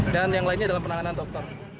dan yang lainnya dalam penanganan dokter